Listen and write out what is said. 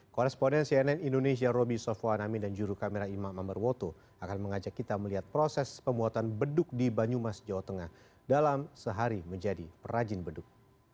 koresponden cnn indonesia roby sofwan amin dan juru kamera imam ambarwoto akan mengajak kita melihat proses pembuatan beduk di banyumas jawa tengah dalam sehari menjadi perajin beduk